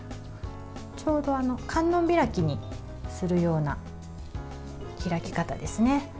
ちょうど観音開きにするような開き方ですね。